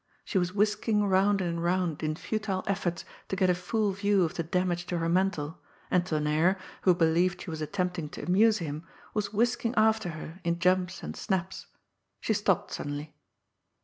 She was whisking round and round in futile efforts to get a full view of the damage to her mantle, and Tonnerre, who believed she was attempting to amuse him, was whisking after her in jumps and snaps. She stopped suddenly.